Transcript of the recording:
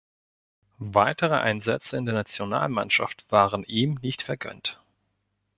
Weitere Einsätze in der Nationalmannschaft waren ihm nicht vergönnt.